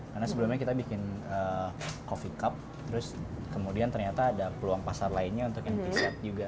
karena sebelumnya kita bikin coffee cup terus kemudian ternyata ada peluang pasar lainnya untuk yang preset juga